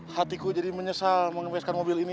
hatiku jadi menyesal membebaskan mobil ini